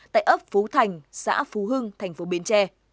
tại ấp phú thành xã phú hưng thành phố bến tre